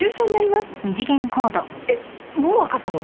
えっもう分かったの？